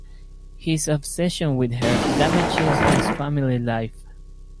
His obsession with her damages his family life.